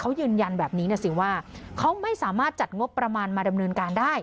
เขายืนยันแบบนี้นะสิว่าเขาไม่สามารถจัดงบประมาณมาดำเนินการได้